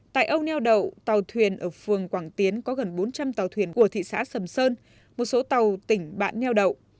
tại âu neo đậu tàu thuyền ở phường quảng tiến có gần bốn trăm linh tàu thuyền của thị xã sầm sơn một số tàu tỉnh bạn neo đậu